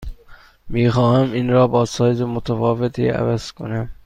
می خواهم این را با سایز متفاوتی عوض کنم.